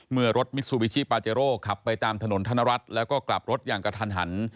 เมื่อรถมิซูบิชิปาเจโร่ขับไปตามถนนธนรัฐแล้วก็กลับรถอย่างกระทันหัน